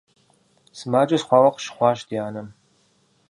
Сымаджэ сыхъуауэ къыщыхъуащ ди анэм.